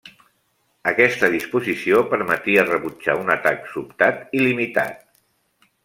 Aquesta disposició permetia rebutjar un atac sobtat i limitat.